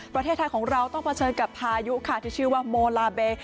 ประเทศไทยของเราต้องเผชิญกับพายุค่ะที่ชื่อว่าโมลาเบ